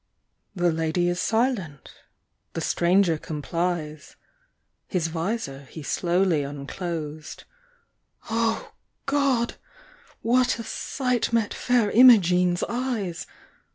The lady is silent the stranger complies His visor he slowly unclosed; Oh God! what a sight met Fair Imogene's eyes!